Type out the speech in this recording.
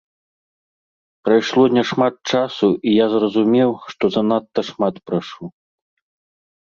Прайшло няшмат часу, і я зразумеў, што занадта шмат прашу.